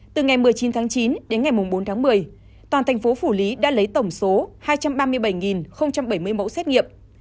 từ ngày một mươi chín tháng chín đến ngày bốn tháng một mươi toàn thành phố phủ lý đã lấy tổng số hai trăm ba mươi bảy bảy mươi mẫu xét nghiệm